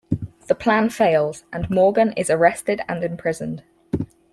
The plan fails, and Morgan is arrested and imprisoned.